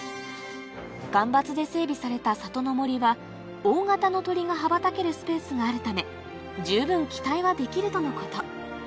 間伐で整備された里の森は大形の鳥が羽ばたけるスペースがあるため十分期待はできるとのこと